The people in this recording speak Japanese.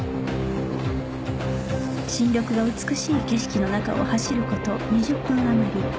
新緑が美しい景色の中を走ること２０分あまり